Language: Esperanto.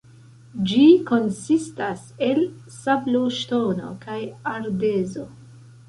Ĝi konsistas el sabloŝtono kaj ardezo.